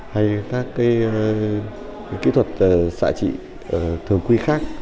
hay các kỹ thuật xạ trị thường quy khác